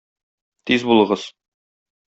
Тиз булыгыз!